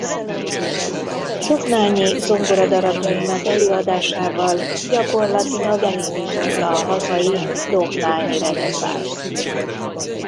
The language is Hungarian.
Dohnányi zongoradarabjainak előadásával gyakorlatilag elindította a hazai Dohnányi-reneszánszt.